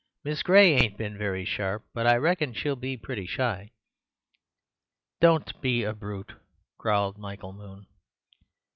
Miss Gray ain't been very sharp, but I reckon she'll be pretty shy." "Don't be a brute," growled Michael Moon.